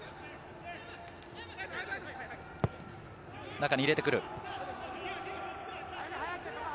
中に入れてくる。